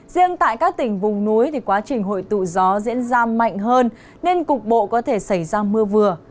riêng tại các tỉnh vùng núi quá trình hội tụ gió diễn ra mạnh hơn nên cục bộ có thể xảy ra mưa vừa